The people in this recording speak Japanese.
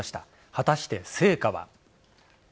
果たして成果は。